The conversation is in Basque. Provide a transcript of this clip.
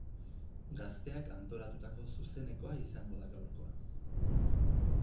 Gazteak antolatutako zuzenekoa izango da gaurkoa.